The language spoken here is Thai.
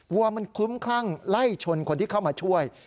วัวมันคลุ้มคลั่งไล่ชนคนที่เข้ามาช่วย